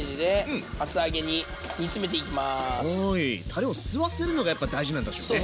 たれを吸わせるのがやっぱ大事なんでしょうね。